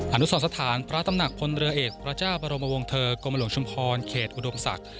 อนุสรสถานพระตำหนักพลเรือเอกพระเจ้าบรมวงเทอร์กรมหลวงชุมพรเขตอุดมศักดิ์